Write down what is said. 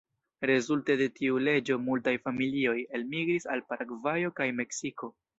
Rezulte de tiu leĝo multaj familioj elmigris al Paragvajo kaj Meksiko.